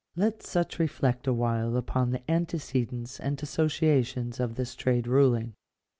Let such reflect awhile upon the antecedents and associations of this trade ruling.